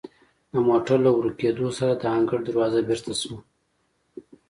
د موټر له ورو کیدو سره د انګړ دروازه بیرته شوه.